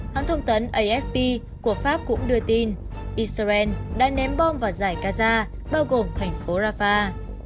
hãng thông tấn afp của pháp cũng đưa tin israel đã ném bom vào giải gaza bao gồm thành phố rafah